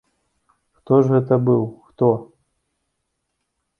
Хто ж гэта быў, хто?